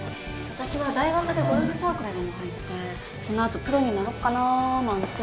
あたしは大学でゴルフサークルでも入ってその後プロになろっかなあなんて。